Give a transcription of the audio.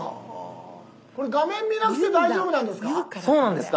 これ画面見なくて大丈夫なんですか？